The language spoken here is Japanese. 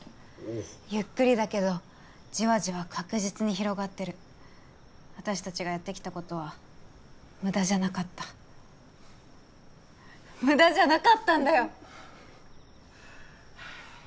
ゆっくりだけどじわじわ確実に広がってる私達がやってきたことは無駄じゃなかった無駄じゃなかったんだよ